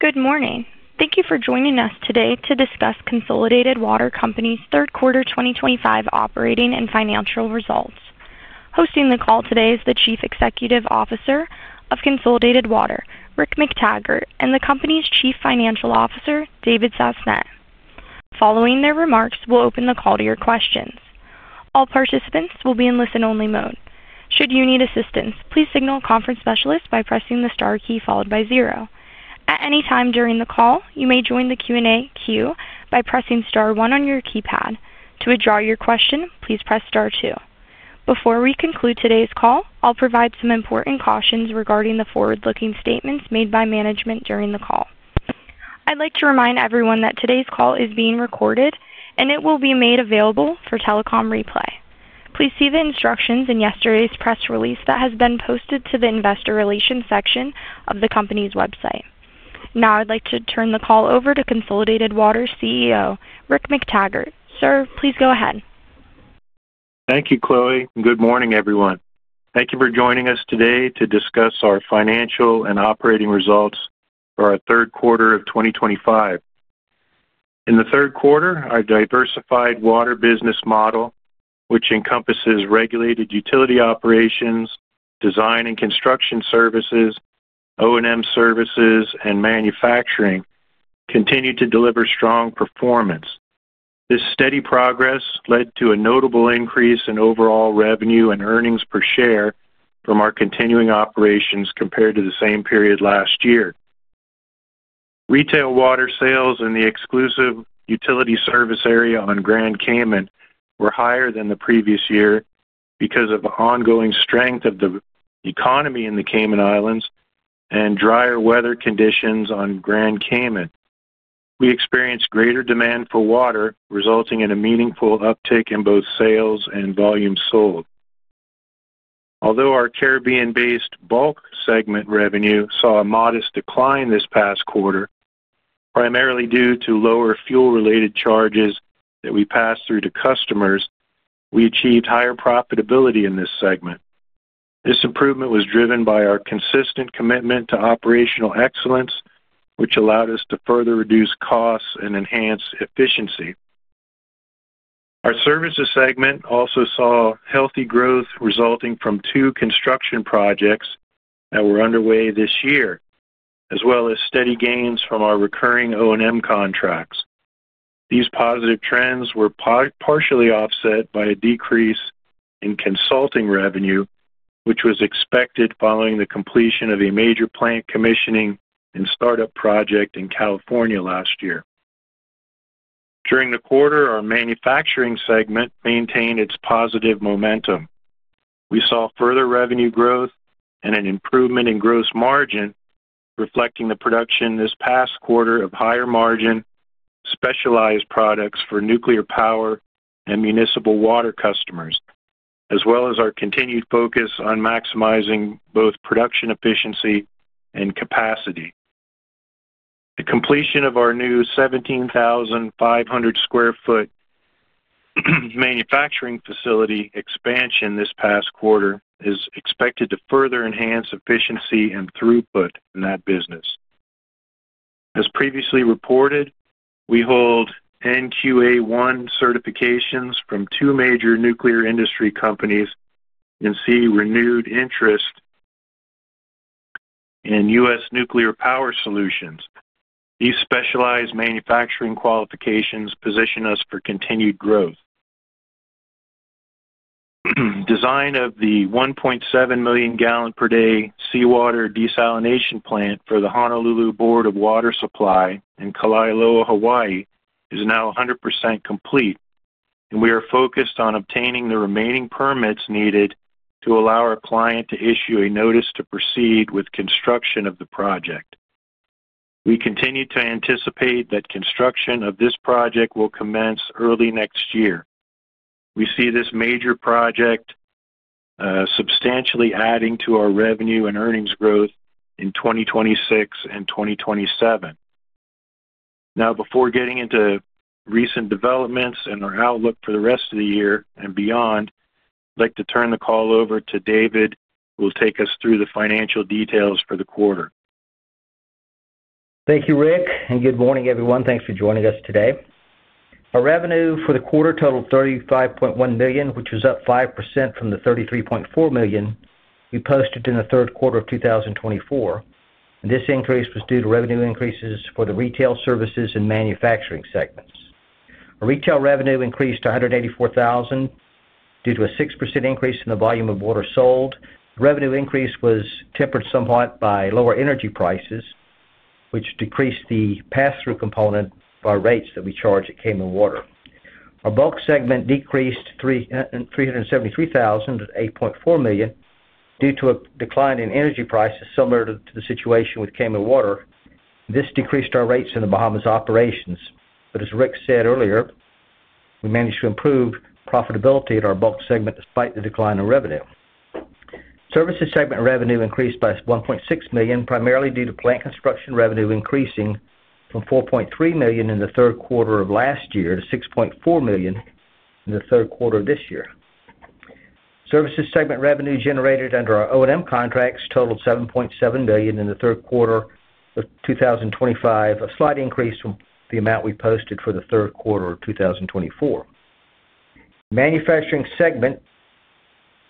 Good morning. Thank you for joining us today to discuss Consolidated Water Co Third Quarter 2025 Operating and Financial Results. Hosting the call today is the Chief Executive Officer of Consolidated Water, Rick McTaggart, and the company's Chief Financial Officer, David Sasnett. Following their remarks, we'll open the call to your questions. All participants will be in listen-only mode. Should you need assistance, please signal conference specialist by pressing the star key followed by zero. At any time during the call, you may join the Q&A queue by pressing star one on your keypad. To withdraw your question, please press star two. Before we conclude today's call, I'll provide some important cautions regarding the forward-looking statements made by management during the call. I'd like to remind everyone that today's call is being recorded, and it will be made available for telecom replay. Please see the instructions in yesterday's press release that has been posted to the investor relations section of the company's website. Now, I'd like to turn the call over to Consolidated Water's CEO, Rick McTaggart. Sir, please go ahead. Thank you, Chloe. Good morning, everyone. Thank you for joining us today to discuss our financial and operating results for our third quarter of 2025. In the third quarter, our diversified water business model, which encompasses regulated utility operations, design and construction services, O&M services, and manufacturing, continued to deliver strong performance. This steady progress led to a notable increase in overall revenue and earnings per share from our continuing operations compared to the same period last year. Retail water sales in the exclusive utility service area on Grand Cayman were higher than the previous year because of the ongoing strength of the economy in the Cayman Islands and drier weather conditions on Grand Cayman. We experienced greater demand for water, resulting in a meaningful uptick in both sales and volume sold. Although our Caribbean-based bulk segment revenue saw a modest decline this past quarter, primarily due to lower fuel-related charges that we passed through to customers, we achieved higher profitability in this segment. This improvement was driven by our consistent commitment to operational excellence, which allowed us to further reduce costs and enhance efficiency. Our services segment also saw healthy growth resulting from two construction projects that were underway this year, as well as steady gains from our recurring O&M contracts. These positive trends were partially offset by a decrease in consulting revenue, which was expected following the completion of a major plant commissioning and startup project in California last year. During the quarter, our manufacturing segment maintained its positive momentum. We saw further revenue growth and an improvement in gross margin, reflecting the production this past quarter of higher-margin, specialized products for nuclear power and municipal water customers, as well as our continued focus on maximizing both production efficiency and capacity. The completion of our new 17,500 sq ft manufacturing facility expansion this past quarter is expected to further enhance efficiency and throughput in that business. As previously reported, we hold NQA-1 certifications from two major nuclear industry companies and see renewed interest in U.S. nuclear power solutions. These specialized manufacturing qualifications position us for continued growth. Design of the 1.7 million gallon per day seawater desalination plant for the Honolulu Board of Water Supply in Kalaeloa, Hawaii, is now 100% complete, and we are focused on obtaining the remaining permits needed to allow our client to issue a notice to proceed with construction of the project. We continue to anticipate that construction of this project will commence early next year. We see this major project substantially adding to our revenue and earnings growth in 2026 and 2027. Now, before getting into recent developments and our outlook for the rest of the year and beyond, I'd like to turn the call over to David, who will take us through the financial details for the quarter. Thank you, Rick, and good morning, everyone. Thanks for joining us today. Our revenue for the quarter totaled $35.1 million, which was up 5% from the $33.4 million we posted in the third quarter of 2024. This increase was due to revenue increases for the retail services and manufacturing segments. Our retail revenue increased to $184,000 due to a 6% increase in the volume of water sold. The revenue increase was tempered somewhat by lower energy prices, which decreased the pass-through component by rates that we charge at Cayman Water. Our bulk segment decreased to $373,000 at $8.4 million due to a decline in energy prices similar to the situation with Cayman Water. This decreased our rates in the Bahamas operations. As Rick said earlier, we managed to improve profitability at our bulk segment despite the decline in revenue. Services segment revenue increased by $1.6 million, primarily due to plant construction revenue increasing from $4.3 million in the third quarter of last year to $6.4 million in the third quarter of this year. Services segment revenue generated under our O&M contracts totaled $7.7 million in the third quarter of 2025, a slight increase from the amount we posted for the third quarter of 2024. Manufacturing segment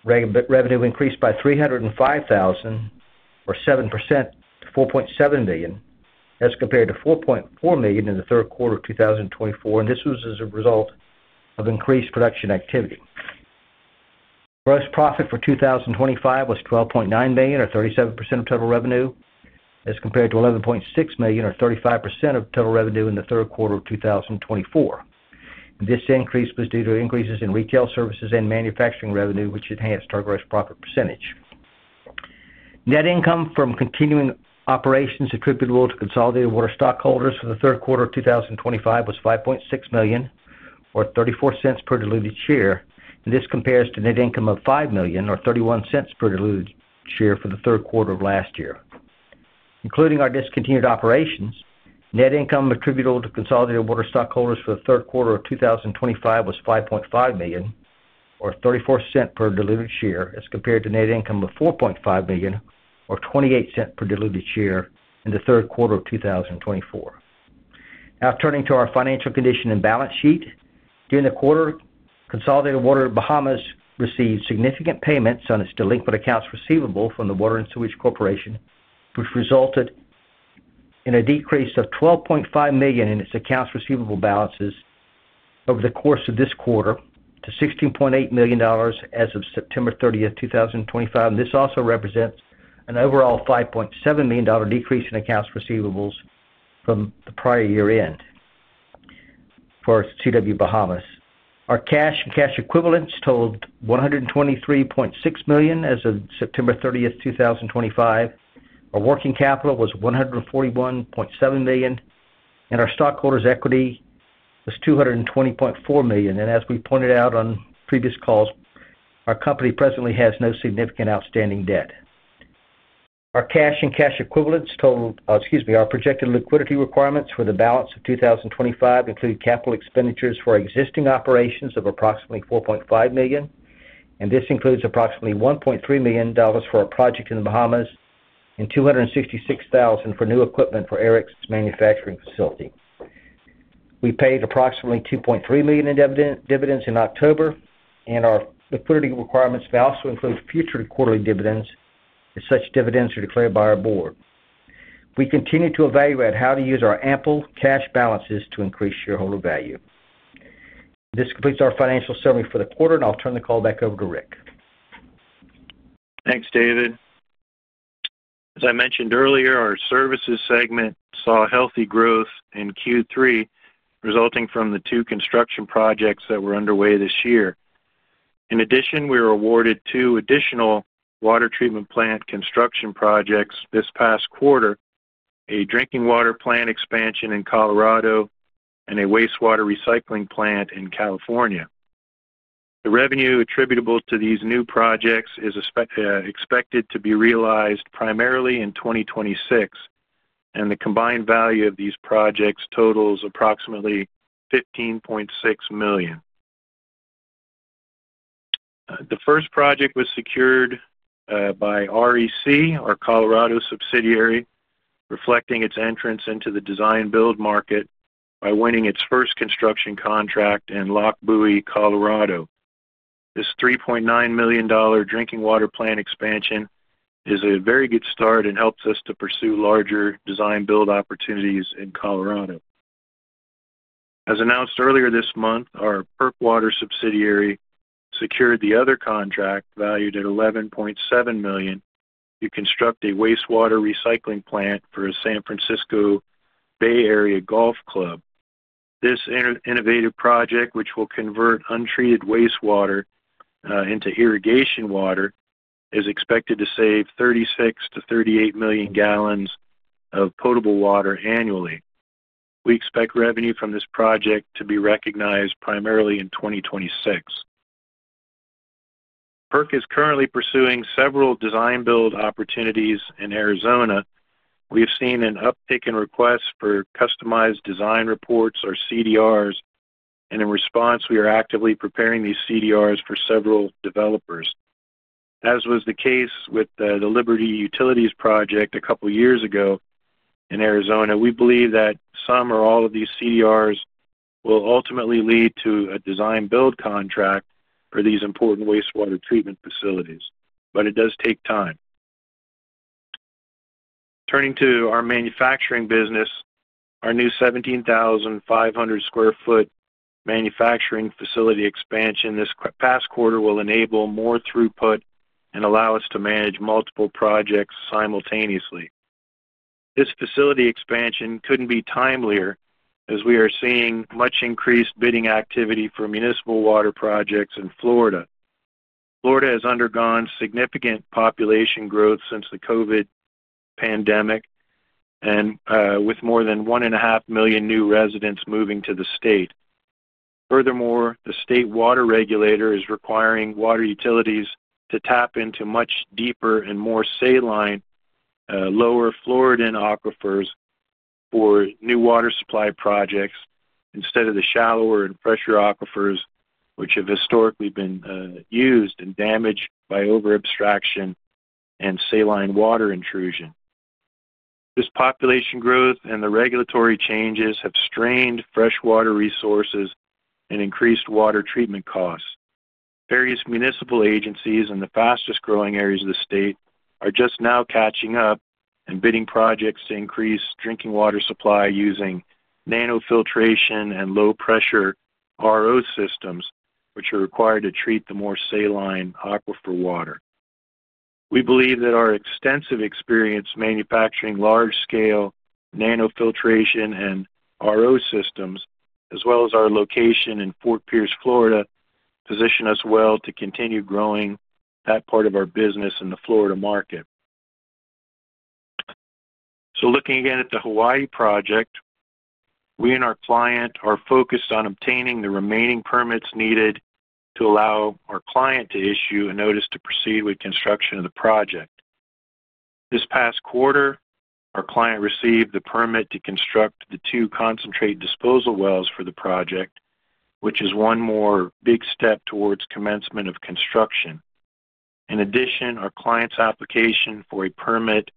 revenue increased by $305,000, or 7% to $4.7 million, as compared to $4.4 million in the third quarter of 2024, and this was as a result of increased production activity. Gross profit for 2025 was $12.9 million, or 37% of total revenue, as compared to $11.6 million, or 35% of total revenue in the third quarter of 2024. This increase was due to increases in retail services and manufacturing revenue, which enhanced our gross profit percentage. Net income from continuing operations attributable to Consolidated Water stockholders for the third quarter of 2025 was $5.6 million, or $0.34 per diluted share, and this compares to net income of $5 million, or $0.31 per diluted share for the third quarter of last year. Including our discontinued operations, net income attributable to Consolidated Water stockholders for the third quarter of 2025 was $5.5 million, or $0.34 per diluted share, as compared to net income of $4.5 million, or $0.28 per diluted share in the third quarter of 2024. Now, turning to our financial condition and balance sheet, during the quarter, Consolidated Water Bahamas received significant payments on its delinquent accounts receivable from the Water and Sewage Corporation, which resulted in a decrease of $12.5 million in its accounts receivable balances over the course of this quarter to $16.8 million as of September 30, 2025. This also represents an overall $5.7 million decrease in accounts receivables from the prior year-end for CW Bahamas. Our cash and cash equivalents totaled $123.6 million as of September 30th, 2025. Our working capital was $141.7 million, and our stockholders' equity was $220.4 million. As we pointed out on previous calls, our company presently has no significant outstanding debt. Our cash and cash equivalents totaled—excuse me—our projected liquidity requirements for the balance of 2025 include capital expenditures for existing operations of approximately $4.5 million, and this includes approximately $1.3 million for a project in the Bahamas and $266,000 for new equipment for Erick's manufacturing facility. We paid approximately $2.3 million in dividends in October, and our liquidity requirements may also include future quarterly dividends if such dividends are declared by our board. We continue to evaluate how to use our ample cash balances to increase shareholder value. This completes our financial summary for the quarter, and I'll turn the call back over to Rick. Thanks, David. As I mentioned earlier, our services segment saw healthy growth in Q3, resulting from the two construction projects that were underway this year. In addition, we were awarded two additional water treatment plant construction projects this past quarter: a drinking water plant expansion in Colorado and a wastewater recycling plant in California. The revenue attributable to these new projects is expected to be realized primarily in 2026, and the combined value of these projects totals approximately $15.6 million. The first project was secured by REC, our Colorado subsidiary, reflecting its entrance into the design-build market by winning its first construction contract in Lockwood, Colorado. This $3.9 million drinking water plant expansion is a very good start and helps us to pursue larger design-build opportunities in Colorado. As announced earlier this month, our PERC Water subsidiary secured the other contract valued at $11.7 million to construct a wastewater recycling plant for a San Francisco Bay Area Golf Club. This innovative project, which will convert untreated wastewater into irrigation water, is expected to save 36-38 million gallons of potable water annually. We expect revenue from this project to be recognized primarily in 2026. PERC is currently pursuing several design-build opportunities in Arizona. We have seen an uptick in requests for customized design reports, or CDRs, and in response, we are actively preparing these CDRs for several developers. As was the case with the Liberty Utilities project a couple of years ago in Arizona, we believe that some or all of these CDRs will ultimately lead to a design-build contract for these important wastewater treatment facilities, but it does take time. Turning to our manufacturing business, our new 17,500 sq ft manufacturing facility expansion this past quarter will enable more throughput and allow us to manage multiple projects simultaneously. This facility expansion couldn't be timelier as we are seeing much increased bidding activity for municipal water projects in Florida. Florida has undergone significant population growth since the COVID pandemic, with more than 1.5 million new residents moving to the state. Furthermore, the state water regulator is requiring water utilities to tap into much deeper and more saline, lower Floridan aquifers for new water supply projects instead of the shallower and fresher aquifers, which have historically been used and damaged by overabstraction and saline water intrusion. This population growth and the regulatory changes have strained freshwater resources and increased water treatment costs. Various municipal agencies in the fastest-growing areas of the state are just now catching up and bidding projects to increase drinking water supply using nano-filtration and low-pressure RO systems, which are required to treat the more saline aquifer water. We believe that our extensive experience manufacturing large-scale nano-filtration and RO systems, as well as our location in Fort Pierce, Florida, position us well to continue growing that part of our business in the Florida market. Looking again at the Hawaii project, we and our client are focused on obtaining the remaining permits needed to allow our client to issue a notice to proceed with construction of the project. This past quarter, our client received the permit to construct the two concentrate disposal wells for the project, which is one more big step towards commencement of construction. In addition, our client's application for a permit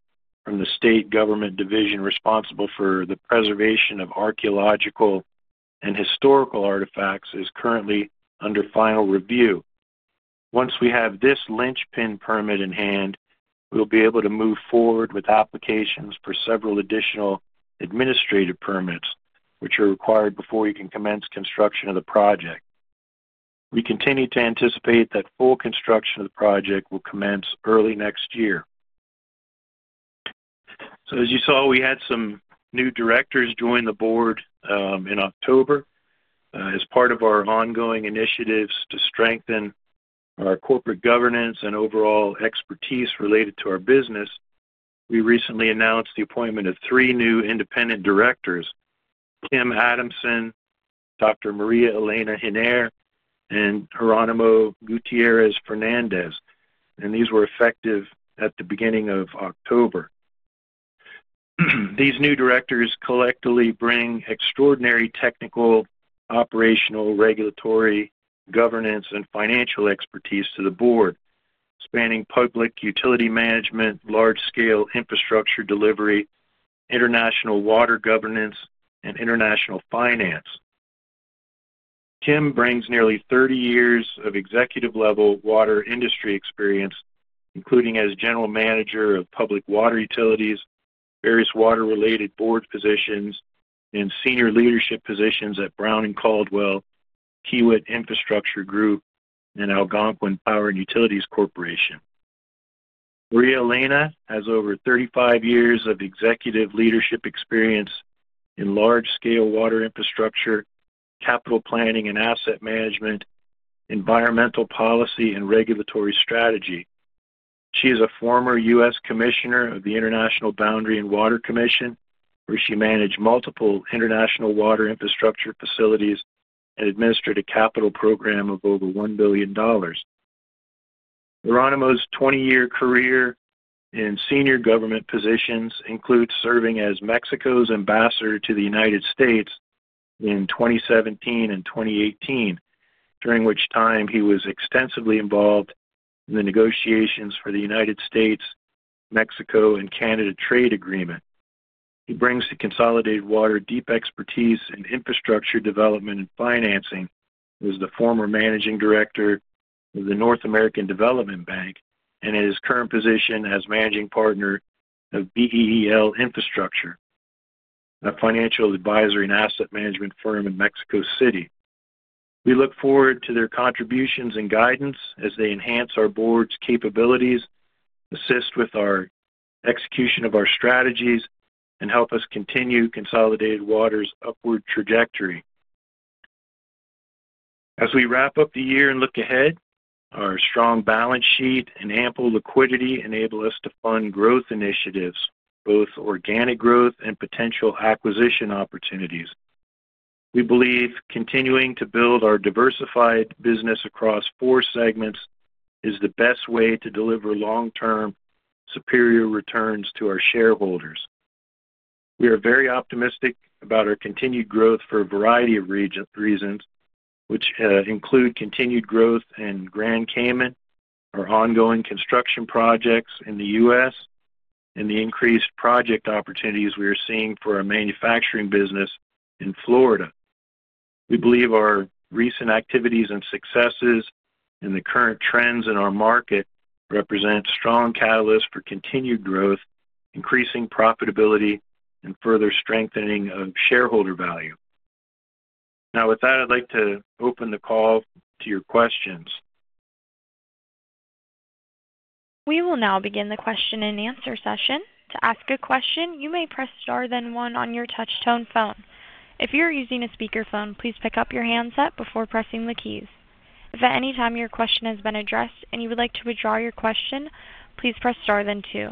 from the state government division responsible for the preservation of archaeological and historical artifacts is currently under final review. Once we have this linchpin permit in hand, we'll be able to move forward with applications for several additional administrative permits, which are required before we can commence construction of the project. We continue to anticipate that full construction of the project will commence early next year. As you saw, we had some new directors join the board in October. As part of our ongoing initiatives to strengthen our corporate governance and overall expertise related to our business, we recently announced the appointment of three new independent directors: Kim Adamson, Dr. Maria Elena Giner, and Geronimo Gutierrez Fernandez. These were effective at the beginning of October. These new directors collectively bring extraordinary technical, operational, regulatory, governance, and financial expertise to the board, spanning public utility management, large-scale infrastructure delivery, international water governance, and international finance. Kim brings nearly 30 years of executive-level water industry experience, including as General Manager of public water utilities, various water-related board positions, and senior leadership positions at Brown and Caldwell, Kiewit Infrastructure Group, and Algonquin Power & Utilities Corp. Maria Elena has over 35 years of executive leadership experience in large-scale water infrastructure, capital planning and asset management, environmental policy, and regulatory strategy. She is a former U.S. Commissioner of the International Boundary and Water Commission, where she managed multiple international water infrastructure facilities and administered a capital program of over $1 billion. Geronimo's 20-year career in senior government positions includes serving as Mexico's ambassador to the United States in 2017 and 2018, during which time he was extensively involved in the negotiations for the United States, Mexico, and Canada trade agreement. He brings to Consolidated Water deep expertise in infrastructure development and financing. He was the former managing director of the North American Development Bank and in his current position as managing partner of BEEL Infrastructure, a financial advisory and asset management firm in Mexico City. We look forward to their contributions and guidance as they enhance our board's capabilities, assist with our execution of our strategies, and help us continue Consolidated Water's upward trajectory. As we wrap up the year and look ahead, our strong balance sheet and ample liquidity enable us to fund growth initiatives, both organic growth and potential acquisition opportunities. We believe continuing to build our diversified business across four segments is the best way to deliver long-term superior returns to our shareholders. We are very optimistic about our continued growth for a variety of reasons, which include continued growth in Grand Cayman, our ongoing construction projects in the U.S., and the increased project opportunities we are seeing for our manufacturing business in Florida. We believe our recent activities and successes and the current trends in our market represent strong catalysts for continued growth, increasing profitability, and further strengthening of shareholder value. Now, with that, I'd like to open the call to your questions. We will now begin the question and answer session. To ask a question, you may press star then one on your touch-tone phone. If you're using a speakerphone, please pick up your handset before pressing the keys. If at any time your question has been addressed and you would like to withdraw your question, please press star then two.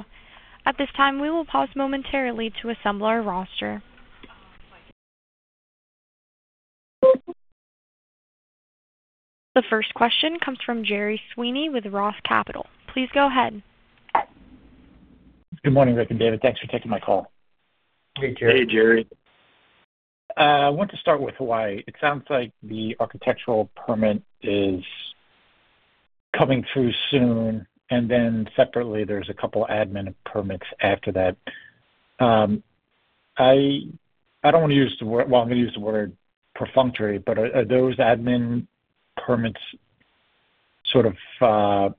At this time, we will pause momentarily to assemble our roster. The first question comes from Gerry Sweeney with ROTH Capital. Please go ahead. Good morning, Rick and David. Thanks for taking my call. Hey, Jerry. Hey, Jerry. I want to start with Hawaii. It sounds like the architectural permit is coming through soon, and then separately, there's a couple of admin permits after that. I don't want to use the word—well, I'm going to use the word perfunctory—but are those admin permits sort of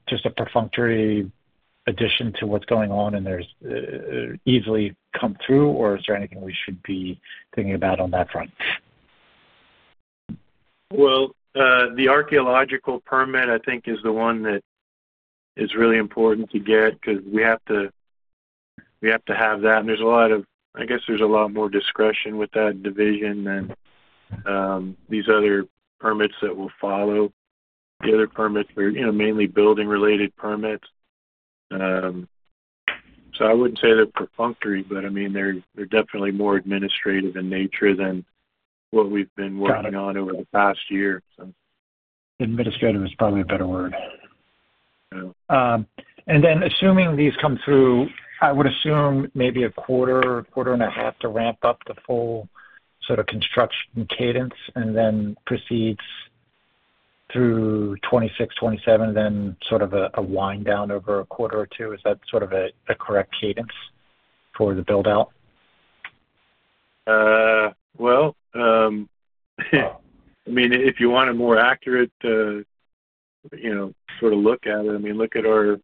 just a perfunctory addition to what's going on and easily come through, or is there anything we should be thinking about on that front? The archaeological permit, I think, is the one that is really important to get because we have to have that. There is a lot of—I guess there is a lot more discretion with that division than these other permits that will follow. The other permits are mainly building-related permits. I would not say they are perfunctory, but I mean, they are definitely more administrative in nature than what we have been working on over the past year. Administrative is probably a better word. Then assuming these come through, I would assume maybe a quarter, quarter and a half to ramp up the full sort of construction cadence, and then proceeds through 2026, 2027, then sort of a wind down over a quarter or two. Is that sort of a correct cadence for the build-out? I mean, if you want a more accurate sort of look at it, I mean, look at our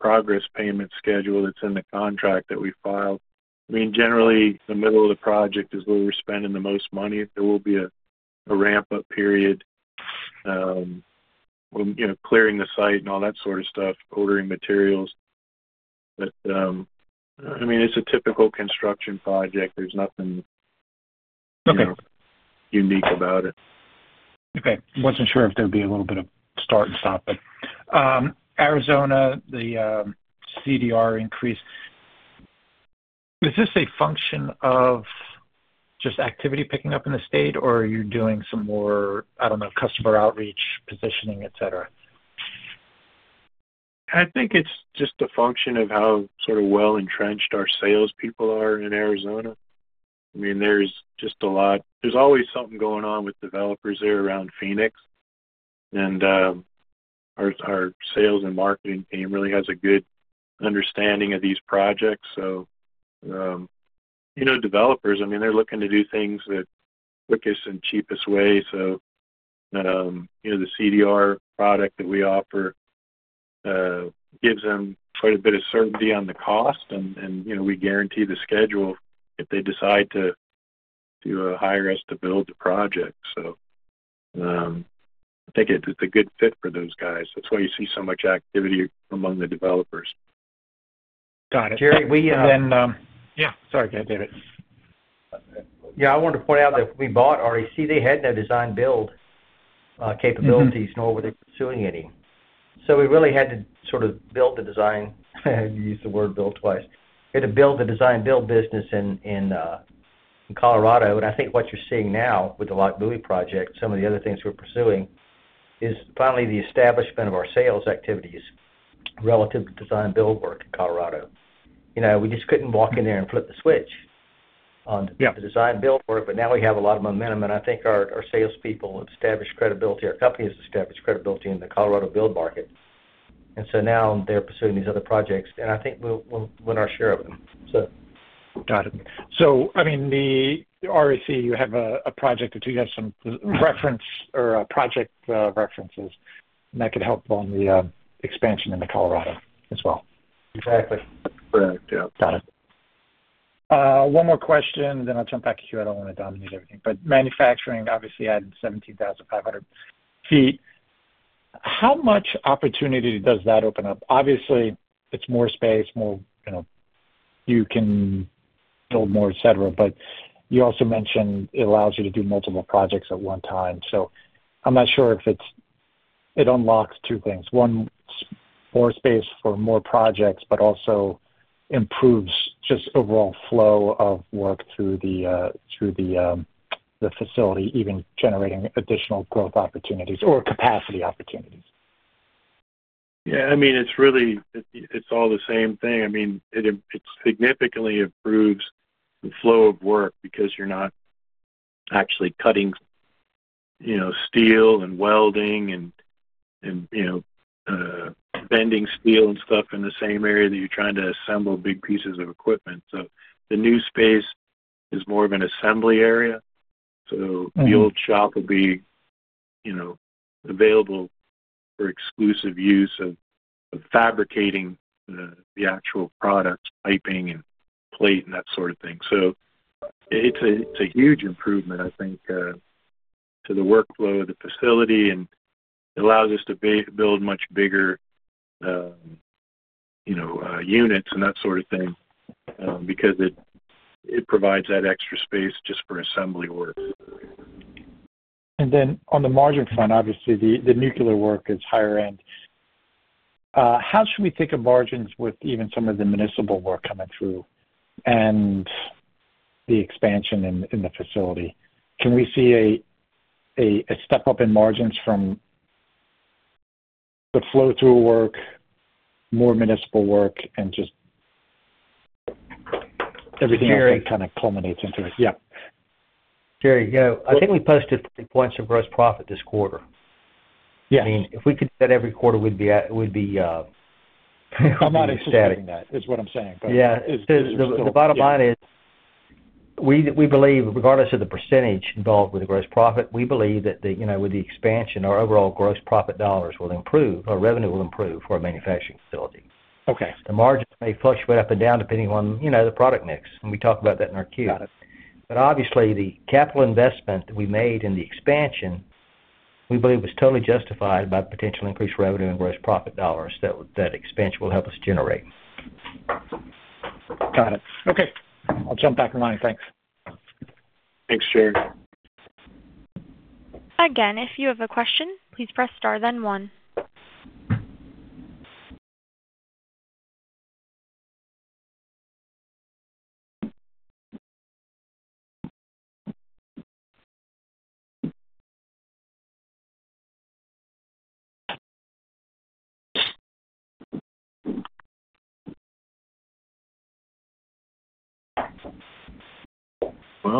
progress payment schedule that is in the contract that we filed. I mean, generally, the middle of the project is where we are spending the most money. There will be a ramp-up period when clearing the site and all that sort of stuff, ordering materials. I mean, it is a typical construction project. There is nothing unique about it. Okay. Wasn't sure if there'd be a little bit of start and stop, but Arizona, the CDR increase, is this a function of just activity picking up in the state, or are you doing some more, I don't know, customer outreach, positioning, etc.? I think it's just a function of how sort of well-entrenched our salespeople are in Arizona. I mean, there's just a lot—there's always something going on with developers there around Phoenix. Our sales and marketing team really has a good understanding of these projects. Developers, I mean, they're looking to do things the quickest and cheapest way. The CDR product that we offer gives them quite a bit of certainty on the cost, and we guarantee the schedule if they decide to do a high-risk to build the project. I think it's a good fit for those guys. That's why you see so much activity among the developers. Got it. Jerry, we then. Yeah. Sorry, David. Yeah. I wanted to point out that we bought REC. They had no design-build capabilities, nor were they pursuing any. So we really had to sort of build the design—I used the word build twice—we had to build the design-build business in Colorado. I think what you're seeing now with the Lockwood Project, some of the other things we're pursuing, is finally the establishment of our sales activities relative to design-build work in Colorado. We just couldn't walk in there and flip the switch on the design-build work, but now we have a lot of momentum. I think our salespeople have established credibility. Our company has established credibility in the Colorado build market. Now they're pursuing these other projects, and I think we'll win our share of them, so. Got it. I mean, the REC, you have a project that you have some reference or project references, and that could help on the expansion into Colorado as well. Exactly. Correct. Yeah. Got it. One more question, and then I'll jump back to you. I don't want to dominate everything. Manufacturing, obviously, added 17,500 sq ft. How much opportunity does that open up? Obviously, it's more space, more you can build more, etc., but you also mentioned it allows you to do multiple projects at one time. I'm not sure if it unlocks two things. One, more space for more projects, but also improves just overall flow of work through the facility, even generating additional growth opportunities or capacity opportunities. Yeah. I mean, it's all the same thing. I mean, it significantly improves the flow of work because you're not actually cutting steel and welding and bending steel and stuff in the same area that you're trying to assemble big pieces of equipment. The new space is more of an assembly area. The old shop will be available for exclusive use of fabricating the actual products, piping, and plate, and that sort of thing. It's a huge improvement, I think, to the workflow of the facility, and it allows us to build much bigger units and that sort of thing because it provides that extra space just for assembly work. On the margin front, obviously, the nuclear work is higher end. How should we think of margins with even some of the municipal work coming through and the expansion in the facility? Can we see a step up in margins from the flow-through work, more municipal work, and just everything else that kind of culminates into it? Jerry, I think we posted 3% points of gross profit this quarter. I mean, if we could do that every quarter, we'd be ecstatic. I'm not expecting that is what I'm saying. Yeah. The bottom line is we believe, regardless of the percentage involved with the gross profit, we believe that with the expansion, our overall gross profit dollars will improve. Our revenue will improve for a manufacturing facility. The margins may fluctuate up and down depending on the product mix. We talked about that in our queue. Obviously, the capital investment that we made in the expansion, we believe, was totally justified by the potential increased revenue and gross profit dollars that expansion will help us generate. Got it. Okay. I'll jump back in line. Thanks. Thanks, Jerry. Again, if you have a question, please press star then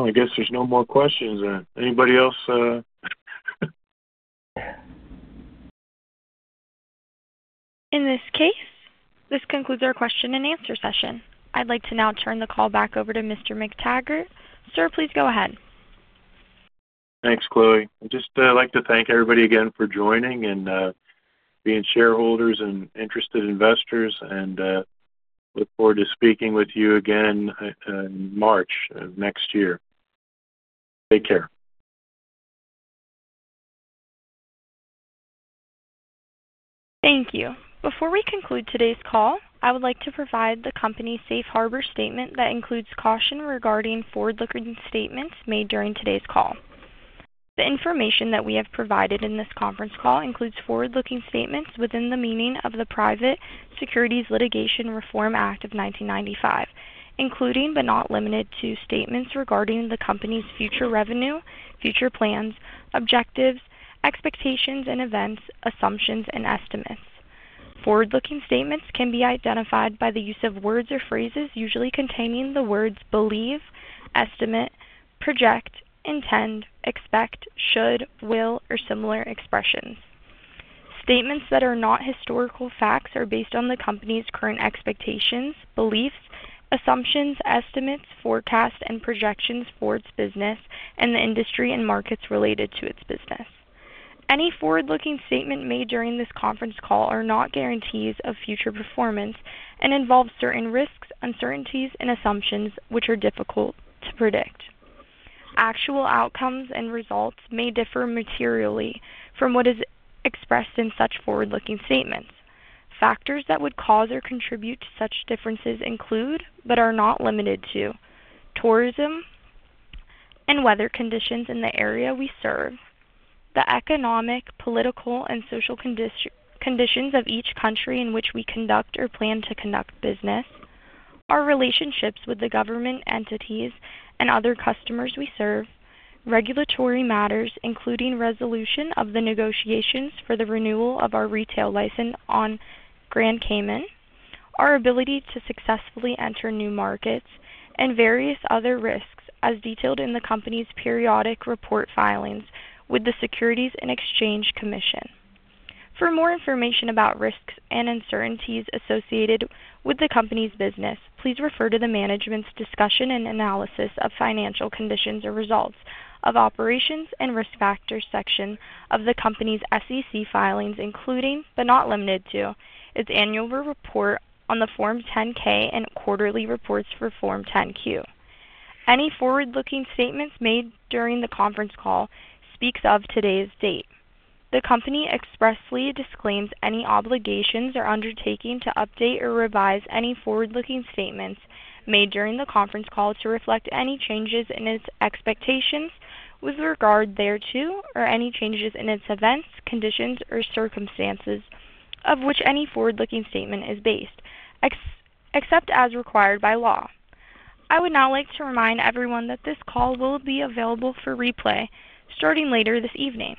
one. I guess there's no more questions. Anybody else? In this case, this concludes our question and answer session. I'd like to now turn the call back over to Mr. McTaggart. Sir, please go ahead. Thanks, Chloe. I'd just like to thank everybody again for joining and being shareholders and interested investors, and look forward to speaking with you again in March of next year. Take care. Thank you. Before we conclude today's call, I would like to provide the company's safe harbor statement that includes caution regarding forward-looking statements made during today's call. The information that we have provided in this conference call includes forward-looking statements within the meaning of the Private Securities Litigation Reform Act of 1995, including but not limited to statements regarding the company's future revenue, future plans, objectives, expectations and events, assumptions, and estimates. Forward-looking statements can be identified by the use of words or phrases usually containing the words believe, estimate, project, intend, expect, should, will, or similar expressions. Statements that are not historical facts are based on the company's current expectations, beliefs, assumptions, estimates, forecasts, and projections for its business and the industry and markets related to its business. Any forward-looking statement made during this conference call are not guarantees of future performance and involve certain risks, uncertainties, and assumptions which are difficult to predict. Actual outcomes and results may differ materially from what is expressed in such forward-looking statements. Factors that would cause or contribute to such differences include, but are not limited to, tourism and weather conditions in the area we serve, the economic, political, and social conditions of each country in which we conduct or plan to conduct business, our relationships with the government entities and other customers we serve, regulatory matters including resolution of the negotiations for the renewal of our retail license on Grand Cayman, our ability to successfully enter new markets, and various other risks as detailed in the company's periodic report filings with the Securities and Exchange Commission. For more information about risks and uncertainties associated with the company's business, please refer to the management's discussion and analysis of financial conditions or results of operations and risk factors section of the company's SEC filings, including but not limited to its annual report on the Form 10-K and quarterly reports for Form 10-Q. Any forward-looking statements made during the conference call speak as of today's date. The company expressly disclaims any obligations or undertaking to update or revise any forward-looking statements made during the conference call to reflect any changes in its expectations with regard thereto, or any changes in the events, conditions, or circumstances on which any forward-looking statement is based, except as required by law. I would now like to remind everyone that this call will be available for replay starting later this evening.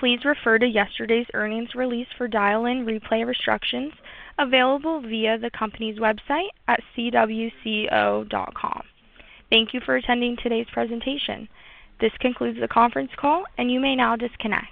Please refer to yesterday's earnings release for dial-in replay restrictions available via the company's website at cwco.com. Thank you for attending today's presentation. This concludes the conference call, and you may now disconnect.